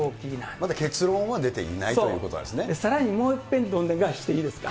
まだ結論は出ていないというそう、さらにもういっぺん、どんでん返ししていいですか。